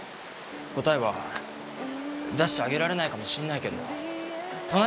答えは出してあげられないかもしんないけど隣で話聞くよ！